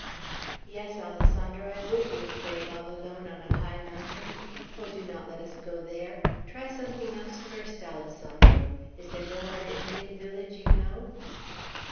"Yes, Alessandro, I would be afraid, all alone on a high mountain. Oh, do not let us go there! Try something else first, Alessandro. Is there no other Indian village you know?"